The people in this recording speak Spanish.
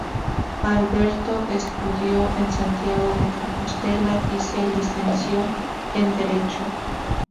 Alberto estudió en Santiago de Compostela y se licenció en Derecho.